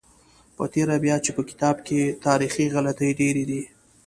په تېره بیا چې په کتاب کې تاریخي غلطۍ ډېرې دي.